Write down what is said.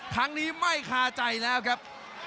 ครั้งนี้ไม่คาใจแล้วครับ